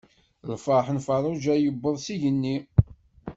Lferḥ n Ferruǧa yewweḍ s igenni.